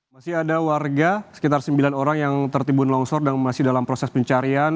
masih ada warga sekitar sembilan orang yang tertimbun longsor dan masih dalam proses pencarian